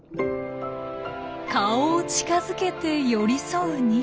顔を近づけて寄り添う２匹。